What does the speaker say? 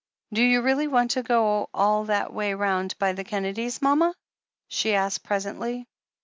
"Do you really want to go all that way round, by the Kennedys, mama?" she asked presently.